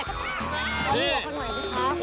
บอกบวกกันหน่อยสิคะ